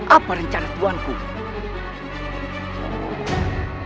apa rencana tuan pak tiraga